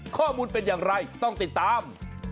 ข้อมูลเป็นอย่างไรต้องติดตาม